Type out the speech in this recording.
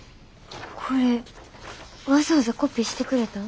これわざわざコピーしてくれたん？